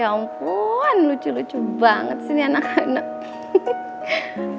ya ampun lucu lucu banget sih ini anak anak